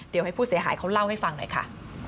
เดี๋ยวให้ผู้เสียหายเขาเล่าให้ฟังหน่อยค่ะ